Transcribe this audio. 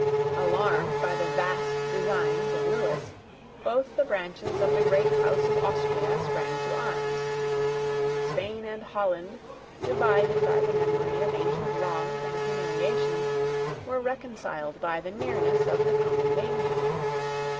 Alarmed by the vast designs of Lewis, both the branches of the great House of Austria sprang to arms. Spain and Holland, divided by the memory of ancient wrongs and humiliations, were reconciled by the nearness of the common danger.